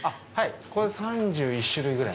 これで３１種類ぐらい。